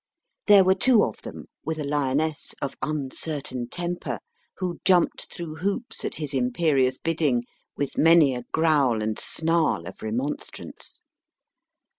There were two of them, with a lioness of an uncertain temper, who jumped through hoops at his imperious bidding with many a growl and snarl of remonstrance.